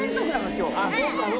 今日。